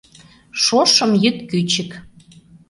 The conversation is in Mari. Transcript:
Шошым йӱд кӱчык.